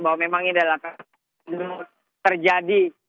bahwa memang ini adalah terjadi